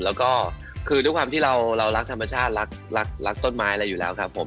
แล้วก็คือด้วยความที่เรารักธรรมชาติรักรักต้นไม้อะไรอยู่แล้วครับผม